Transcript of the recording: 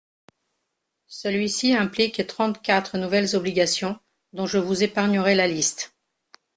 Celui-ci implique trente-quatre nouvelles obligations, dont je vous épargnerai la liste.